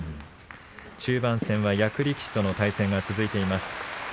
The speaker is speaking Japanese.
中盤は役力士との対戦が続いています。